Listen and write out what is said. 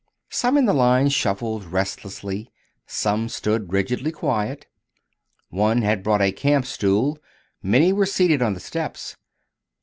Some in the line shuffled restlessly; some stood rigidly quiet. One had brought a camp stool; many were seated on the steps.